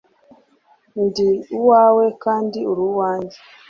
ndi uwawe kandi uri uwanjye